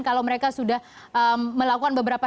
kalau mereka sudah melakukan beberapa